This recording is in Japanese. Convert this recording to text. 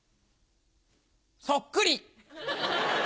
「そっくり！」。